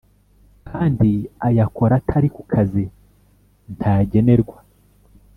kandi ayakora atari ku kazi ntagenerwa